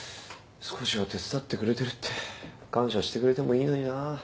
少しは手伝ってくれてるって感謝してくれてもいいのになぁ。